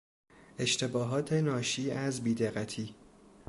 اشتباهات ناشی از بیدقتی